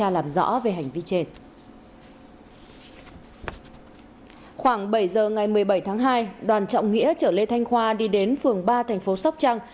ngày một mươi bảy tháng hai đoàn trọng nghĩa chở lê thanh khoa đi đến phường ba thành phố sóc trăng